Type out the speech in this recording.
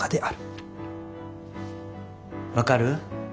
分かる？